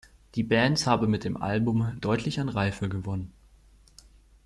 Die Band habe mit dem Album deutlich an Reife gewonnen.